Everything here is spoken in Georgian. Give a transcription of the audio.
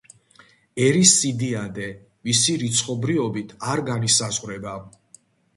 ერის სიდიადე, მისი რიცხობრიობით არ განისაზღვრება.